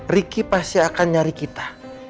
riki pasti akan nyari kita